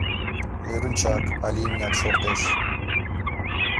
ӦРЫНЧАК, АЛЕ ИМНЯТ ШОРТЕШ